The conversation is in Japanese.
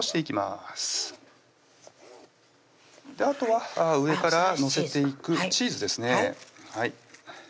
あとは上から載せていくチーズですね